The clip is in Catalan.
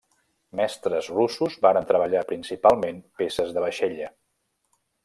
Mestres russos varen treballar principalment peces de vaixella.